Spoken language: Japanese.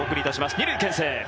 ２塁けん制。